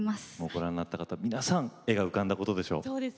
ご覧になった皆さん笑顔が浮かんだことでしょう。